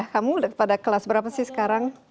kamu pada kelas berapa sih sekarang